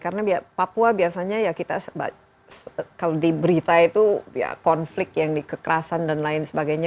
karena papua biasanya ya kita kalau diberitai itu konflik yang di kekerasan dan lain sebagainya